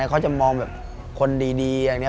เขาจะมองแบบคนดีอย่างนี้